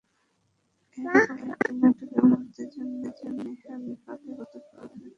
এরকম একটি নাটকীয় মুহূর্তের জন্যে তিনি হানিফাকে প্রস্তুত করে রেখেছিলেন।